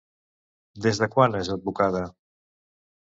Des de quan és advocada?